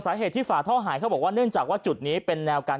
สาเหตุที่ฝาท่อหายเขาบอกว่าเนื่องจากว่าจุดนี้เป็นแนวกัน